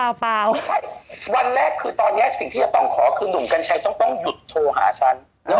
ไม่ใช่วันแรกคือตอนนี้สิ่งที่จะต้องขอคือหนุ่มกัญชัยต้องหยุดโทรหาฉัน